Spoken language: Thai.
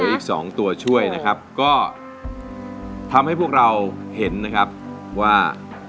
อีก๒ตัวช่วยนะครับก็ทำให้พวกเราเห็นนะครับว่า